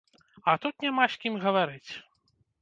А тут няма з кім гаварыць!